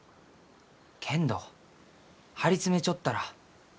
けんど張り詰めちょったら速う